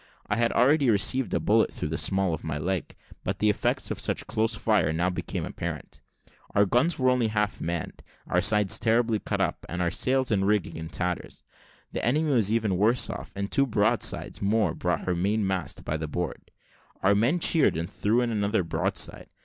I had already received a bullet through the small of my leg. But the effects of such close fire now became apparent: our guns were only half manned, our sides terribly cut up, and our sails and rigging in tatters. The enemy was even worse off, and two broadsides more brought her mainmast by the board. Our men cheered, and threw in another broadside.